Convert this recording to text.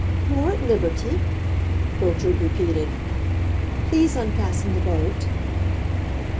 "More at liberty?" Gertrude repeated. "Please unfasten the boat."